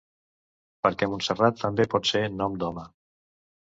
Perquè Montserrat també pot ser nom d'home.